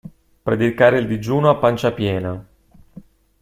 Predicare il digiuno a pancia piena.